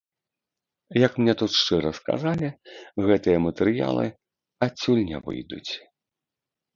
Як мне тут шчыра сказалі, гэтыя матэрыялы адсюль не выйдуць.